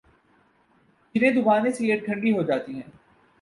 ۔ جنہیں دبانے سے یہ ٹھنڈی ہوجاتے ہیں۔